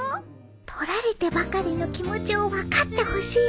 撮られてばかりの気持ちを分かってほしいの